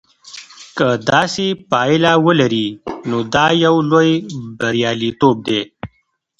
که داسې پایله ولري نو دا یو لوی بریالیتوب دی.